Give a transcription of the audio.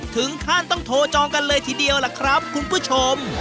ถึงขั้นต้องโทรจองกันเลยทีเดียวล่ะครับคุณผู้ชม